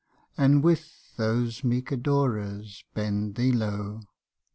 And with those meek adorers bend thee low.'